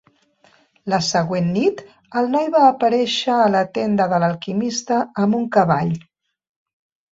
La següent nit, el noi va aparèixer a la tenda de l'alquimista amb un cavall.